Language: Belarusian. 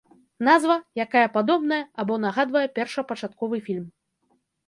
Назва, якая падобная або нагадвае першапачатковы фільм.